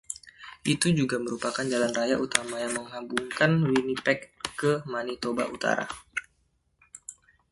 Itu juga merupakan jalan raya utama yang menghubungkan Winnipeg ke Manitoba utara.